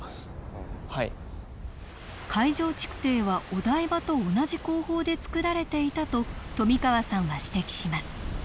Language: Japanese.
海上築堤はお台場と同じ工法で造られていたと冨川さんは指摘します。